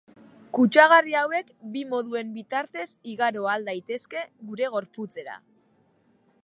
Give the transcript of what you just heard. Kutsagarri hauek bi moduen bitartez igaro ahal daitezke gure gorputzera.